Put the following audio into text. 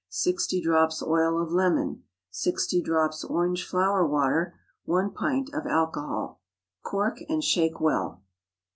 60 drops oil of lemon. 60 drops orange flower water. 1 pint of alcohol. Cork and shake well.